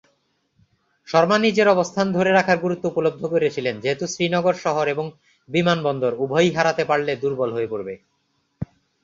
শর্মা নিজের অবস্থান ধরে রাখার গুরুত্ব উপলব্ধি করেছিলেন যেহেতু শ্রীনগর শহর এবং বিমানবন্দর উভয়ই হারাতে পারলে দুর্বল হয়ে পড়বে।